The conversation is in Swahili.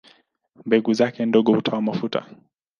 Mbegu zake ndogo hutoa mafuta.